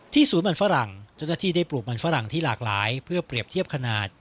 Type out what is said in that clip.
ศูนย์มันฝรั่งเจ้าหน้าที่ได้ปลูกมันฝรั่งที่หลากหลายเพื่อเปรียบเทียบขนาด